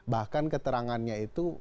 bahkan keterangannya itu